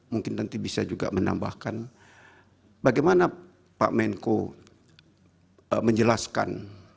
mungkin nanti bisa juga menambahkan bagaimana pak menko menjelaskan